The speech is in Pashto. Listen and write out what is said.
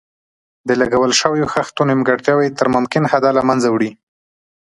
د لګول شویو خښتو نیمګړتیاوې تر ممکن حده له منځه وړي.